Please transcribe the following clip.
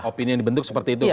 opini yang dibentuk seperti itu